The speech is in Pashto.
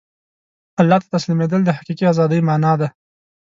الله ته تسلیمېدل د حقیقي ازادۍ مانا ده.